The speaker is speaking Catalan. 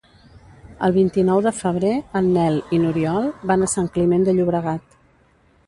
El vint-i-nou de febrer en Nel i n'Oriol van a Sant Climent de Llobregat.